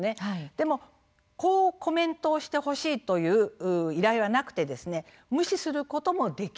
でもこうコメントをしてほしいという依頼はなくてですね無視することもできる。